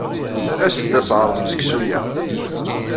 Aset-d ad tɛerḍem seksu-a.